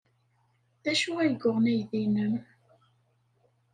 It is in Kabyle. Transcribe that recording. D acu ay yuɣen aydi-nnem?